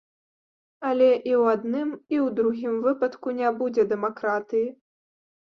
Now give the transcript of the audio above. Але і ў адным, і ў другім выпадку не будзе дэмакратыі.